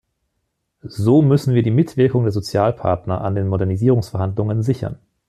So müssen wir die Mitwirkung der Sozialpartner an den Modernisierungsverhandlungen sichern.